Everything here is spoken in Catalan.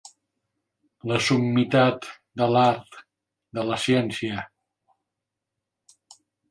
La summitat de l'art, de la ciència.